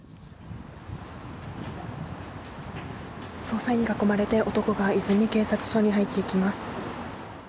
捜査員に囲まれて男が泉警察署に入っていきます。